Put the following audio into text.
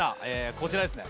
こちらですね！